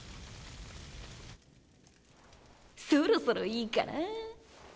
そろそろいいかな。